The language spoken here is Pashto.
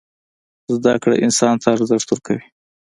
زدکړه انسان ته ارزښت ورکوي.